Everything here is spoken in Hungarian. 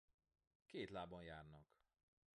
Két lábon járnak.